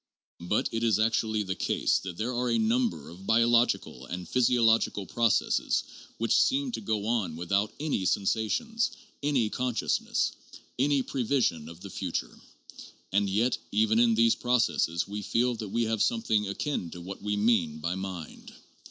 But it is actually the case that there are a number of biological and physiological processes which seem to go on without any sensations, any consciousness, any prevision of the future; and yet even in these processes we feel that we have something akin to what we mean by mind.